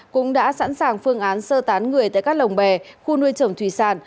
cũng đã sẵn sàng phương án sơ tán người tại các lồng bè khu nuôi trồng thủy sản